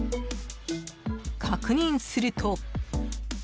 確認すると。